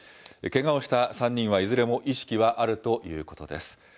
けがをした３人はいずれも意識はあるということです。